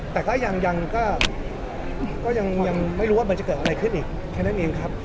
แต่ก็ยังไม่รู้ว่ามันจะเกิดอะไรขึ้นอีกแค่นั้นเองครับ